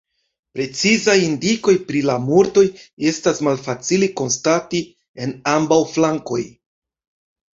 Precizaj indikoj pri la mortoj estas malfacile konstati en ambaŭ flankoj.